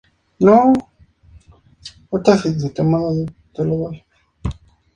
La escultura sobre la cubierta, que representa a la Libertad, es de Ponciano Ponzano.